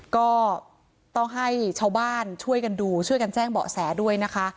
ก็ต้องให้ชาวบ้านช่วยกันดูช่วยกันแจ้งเบาะแสด้วยนะคะ